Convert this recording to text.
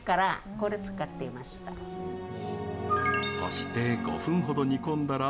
そして５分ほど煮込んだら。